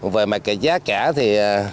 về mặt cái giá kẻ thì